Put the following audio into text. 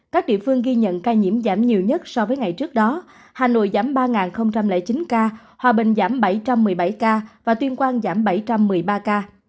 các địa phương ghi nhận ca nhiễm giảm nhiều nhất so với ngày trước đó hà nội giảm ba chín ca hòa bình giảm bảy trăm một mươi bảy ca và tuyên quang giảm bảy trăm một mươi ba ca